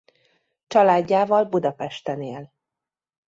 Családjával Budapesten él.